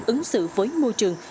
ứng xử với môi trường